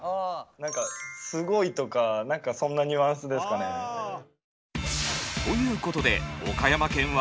何か「すごい」とかそんなニュアンスですかね。ということで岡山県は。